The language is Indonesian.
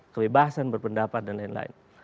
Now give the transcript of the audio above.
kebebasan berpendapat dan lain lain